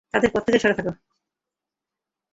তাদের পথ থেকে সরে থেকো।